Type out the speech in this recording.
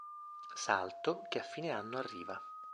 Salto che a fine anno arriva.